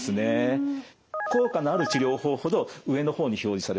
「効果のある治療法ほど上のほうに表示される」。